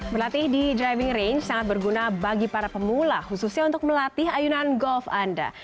berlatih di driving range sangat berguna bagi para pemula khususnya untuk melatih ayunan golf anda